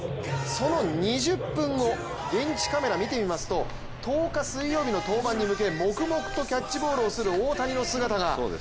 その２０分後、現地カメラ見てみますと１０日水曜日の登板に向け黙々とキャッチボールをする大谷の姿が。